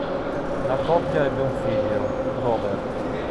La coppia ebbe un figlio, Robert.